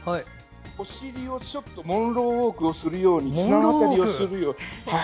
お尻を、ちょっとモンローウォークをするように綱渡りをするように。